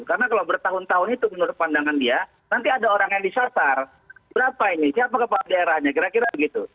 karena kalau bertahun tahun itu menurut pandangan dia nanti ada orang yang disertar berapa ini siapa kepala daerahnya kira kira begitu